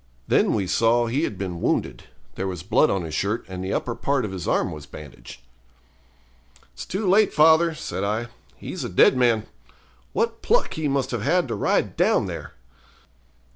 Then we saw he had been wounded. There was blood on his shirt, and the upper part of his arm was bandaged. 'It's too late, father,' said I; 'he's a dead man. What pluck he must have had to ride down there!'